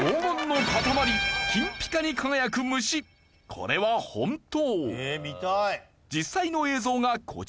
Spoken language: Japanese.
これは本当。